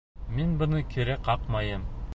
Мин быны кире ҡаҡмайым.